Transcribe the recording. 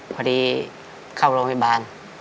พอดีเข้าโรงพยาบาล